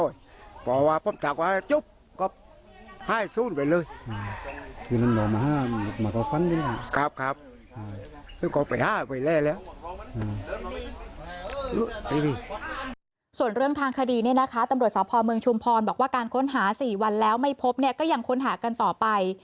ส่วนเรื่องทางคดีเนี่ยนะคะตำรวจสพเมืองชุมพรบอกว่าการค้นหา๔วันแล้วไม่พบเนี่ยก็ยังค้นหากันต่อไป